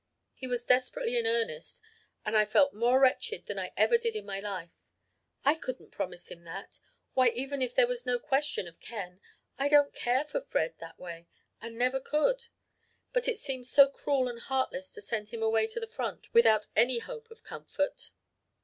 He was desperately in earnest and I felt more wretched than I ever did in my life. I couldn't promise him that why, even if there was no question of Ken, I don't care for Fred that way and never could but it seemed so cruel and heartless to send him away to the front without any hope of comfort.